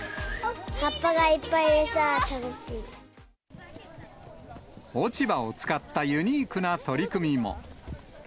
葉っぱがいっぱいでさ、落ち葉を使ったユニークな取り組みも。